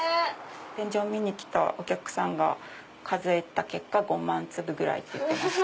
展示を見に来たお客さんが数えた結果５万粒ぐらいって言ってました。